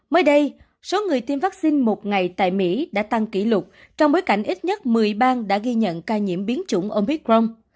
mới đây số người tiêm vaccine một ngày tại mỹ đã tăng kỷ lục trong bối cảnh ít nhất một mươi bang đã ghi nhận ca nhiễm biến chủng omicron